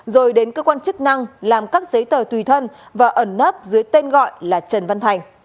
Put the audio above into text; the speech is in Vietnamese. rồi đến cơ quan chức năng làm các giấy tờ tùy thân và ẩn nấp dưới tên gọi là trần văn thành